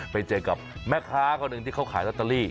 ไปเจอกับแมคคะส์คนหนึ่งที่เขาขายอัตตะลี่